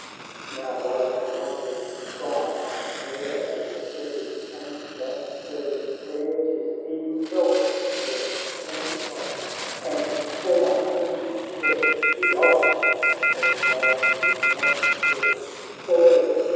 — xv " Now, by Columba's shrine, I swear, And every saint that's buried there, 'Tis he himself!" Lorn sternly cries, "And for my kinsman's death he dies." — As loudly Konald calls —" Forbear!